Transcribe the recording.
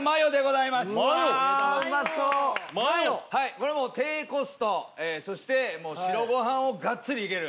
これはもう低コストそして白ご飯をガッツリいける！